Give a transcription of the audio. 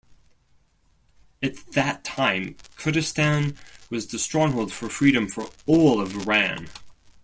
At that time, Kurdistan was the stronghold for freedom for all of Iran.